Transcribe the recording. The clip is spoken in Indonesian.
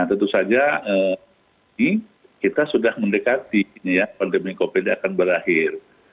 tentu saja kita sudah mendekati pandemi covid akan berakhir